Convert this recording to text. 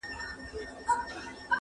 پرون یې کلی، نن محراب سبا چنار سوځوي،